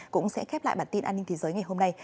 cũng sẽ khép lại bản tin an ninh thế giới ngày hôm nay